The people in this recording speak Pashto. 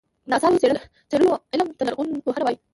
د اثارو څېړلو علم ته لرغونپوهنه وایې.